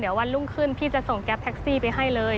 เดี๋ยววันรุ่งขึ้นพี่จะส่งแก๊ปแท็กซี่ไปให้เลย